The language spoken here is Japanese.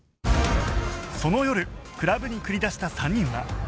その夜クラブに繰り出した３人は